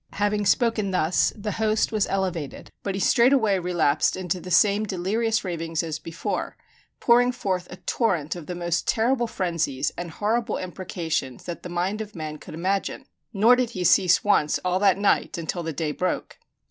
Having spoken thus, the Host was elevated; but he straightway relapsed into the same delirious ravings as before, pouring forth a torrent of the most terrible frenzies and horrible imprecations that the mind of man could imagine; nor did he cease once all that night until the day broke.